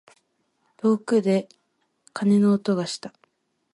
遠くで鐘の音がした。